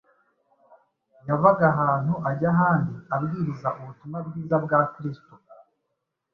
Yavaga ahantu ajya ahandi, abwiriza ubutumwa bwiza bwa Kristo,